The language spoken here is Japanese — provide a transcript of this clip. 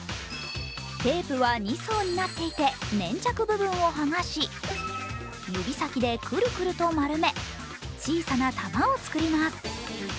テープは２層になっていて粘着部分を剥がし指先でくるくると丸め小さな玉を作ります。